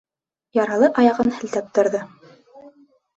Яралы аяғын һелтәп торҙо.